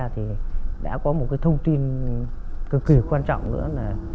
thì đã có một cái thông tin cực kỳ quan trọng nữa là